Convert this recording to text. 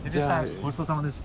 ごちそうさまです。